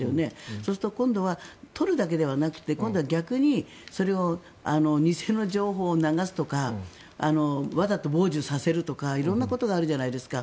そうすると今度は取るだけではなくて今度は逆にそれを偽の情報を流すとかわざと傍受させるとか色んなことがあるじゃないですか。